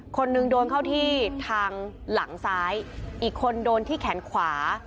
คนหนึ่งโดนเข้าที่ทางหลังซ้ายอีกคนโดนที่แขนขวา